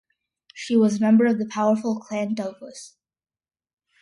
She was a member of the powerful Clan Douglas.